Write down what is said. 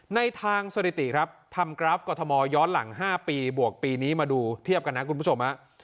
ในทางสถิติครับทำกราฟกรทมย้อนหลัง๕ปีบวกปีนี้มาดูเทียบกันนะคุณผู้ชม